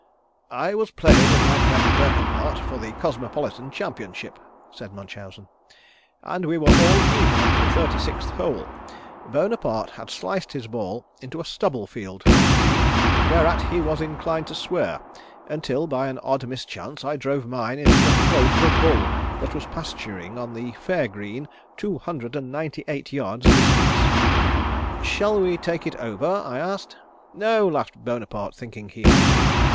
"I was playing with my friend Bonaparte, for the Cosmopolitan Championship," said Munchausen, "and we were all even at the thirty sixth hole. Bonaparte had sliced his ball into a stubble field from the tee, whereat he was inclined to swear, until by an odd mischance I drove mine into the throat of a bull that was pasturing on the fair green two hundred and ninety eight yards distant. 'Shall we take it over?' I asked. 'No,' laughed Bonaparte, thinking he had me.